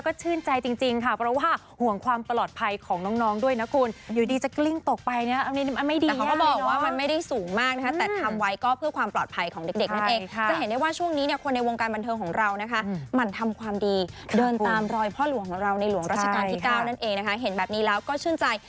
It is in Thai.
ของเราในหลวงรัชกาลที่๙นั่นเองนะคะเห็นแบบนี้แล้วก็ชื่นใจ